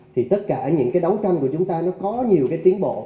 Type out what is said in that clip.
thì tất cả những cái đấu tranh của chúng ta nó có nhiều cái tiến bộ